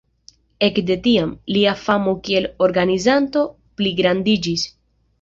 Ekde tiam, lia famo kiel organizanto pligrandiĝis.